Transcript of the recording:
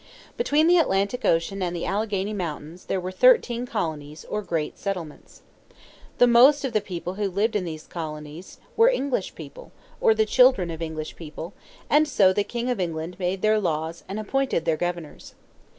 Between the Atlantic Ocean and the Alleghany Mountains there were thirteen colonies, or great settlements. The most of the people who lived in these colonies were English people, or the children of English people; and so the King of England made their laws and appointed their governors.